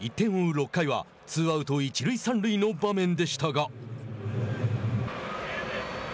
６回はツーアウト、一塁三塁の場面でしたが。